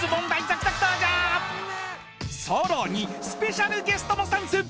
［さらにスペシャルゲストも参戦］